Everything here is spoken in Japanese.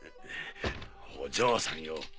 お嬢さんよ